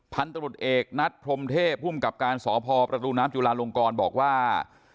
พันธุรกิจเอกนัดพรมเทพภูมิกับการสพประตูน้ำจุลาลงกรบอกว่า